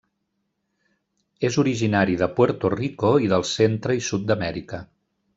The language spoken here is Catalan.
És originari de Puerto Rico i del centre i sud d'Amèrica.